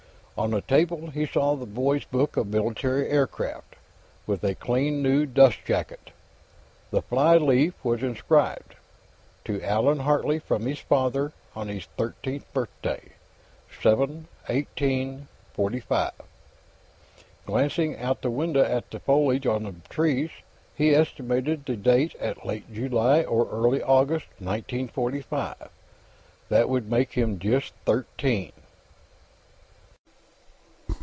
On the table, he saw a boys' book of military aircraft, with a clean, new dustjacket; the flyleaf was inscribed: To Allan Hartley, from his father, on his thirteenth birthday, 7/18 '45. Glancing out the window at the foliage on the trees, he estimated the date at late July or early August, 1945; that would make him just thirteen.